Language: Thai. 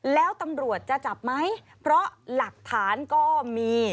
แล้วตำรวจจะจับไหมเพราะหลักฐานก็มี